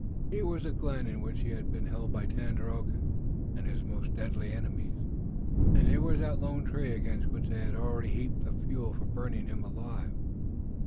Here was the glen in which he had been held by Tandakora and his most deadly enemies, and there was the lone tree against which they had already heaped the fuel for burning him alive.